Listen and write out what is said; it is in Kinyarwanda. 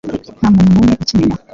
nta muntu n’umwe ukimenya